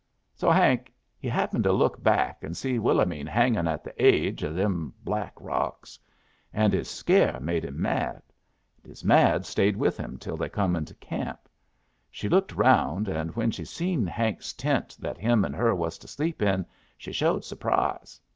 "So Hank he happened to look back and see Willomene hangin' at the aidge o' them black rocks. And his scare made him mad. And his mad stayed with him till they come into camp. She looked around, and when she seen Hank's tent that him and her was to sleep in she showed surprise.